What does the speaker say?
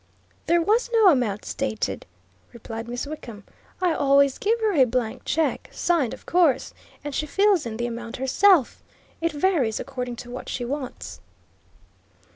"There was no amount stated," replied Miss Wickham. "I always give her a blank check signed, of course and she fills in the amount herself. It varies according to what she wants."